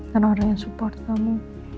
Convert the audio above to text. dan orang yang support kamu